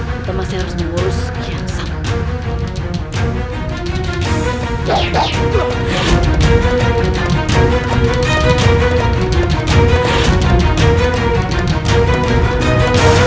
kita masih harus mengurus yang sama